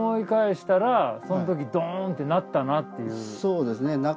そうですね。